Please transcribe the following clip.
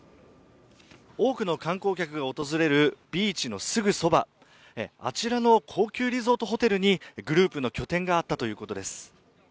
多くの観光客が訪れるビーチのすぐそば、あちらの高級リゾートホテルにグループの拠点があったということです。